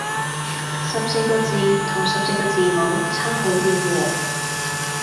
十四個字同十四個字母差好遠喎